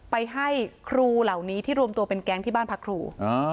ไปให้ครูเหล่านี้ที่รวมตัวเป็นแก๊งที่บ้านพักครู